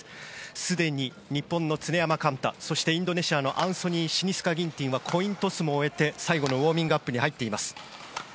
すでに日本の常山幹太そしてインドネシアのアンソニー・シニスカ・ギンティンはコイントスも終えて最後のウォーミングアップに入っています。